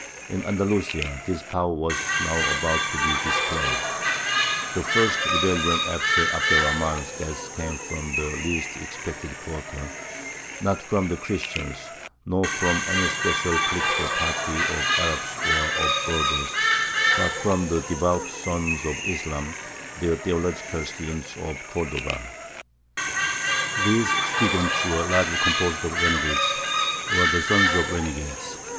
In Andalusia this power was now about to be displayed. The first rebellion after Abd er Rahmān's death came from the least expected quarter; not from the Christians, nor from any special political party of Arabs or of Berbers, but from the devout sons of Islam, the theological students of Cordova. These students were largely composed of renegades, or the sons of renegades.